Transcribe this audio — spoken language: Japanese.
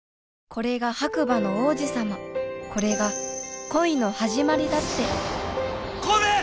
これが白馬の王子様これが恋の始まりだって小梅！